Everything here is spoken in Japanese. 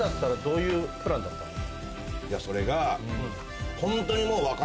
それが。